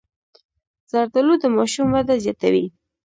زردالو د ماشوم وده زیاتوي.